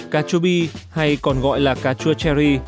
cà chua bi hay còn gọi là cà chua cherry